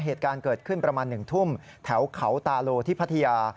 เหตุการณ์เกิดขึ้นประมาณ๑ทุ่มแถวเขาตาโลที่พัทยา